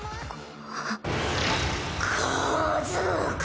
あっ。